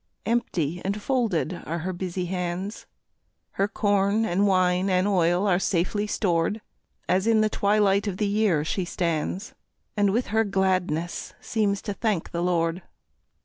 Empty and folded are her busy hands; Her corn and wine and oil are safely stored, As in the twilight of the year she stands, And with her gladness seems to thank the Lord.